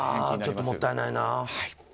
ちょっともったいないな。